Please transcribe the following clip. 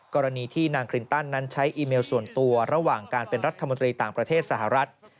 กรณีที่นางคลินตันนั้นใช้อีเมลส่วนตัวระหว่างการเป็นรัฐมนตรีต่างประเทศสหรัฐ